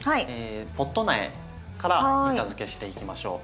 ポット苗から板づけしていきましょう。